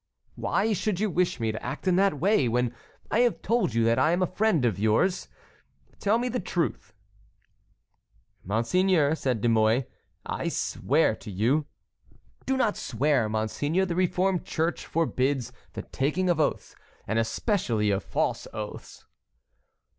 "Why should you wish me to act in that way, when I have told you that I am a friend of yours? Tell me the truth." "Monseigneur," said De Mouy, "I swear to you"— "Do not swear, monseigneur; the reformed church forbids the taking of oaths, and especially of false oaths."